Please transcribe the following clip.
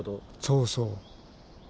そうそう。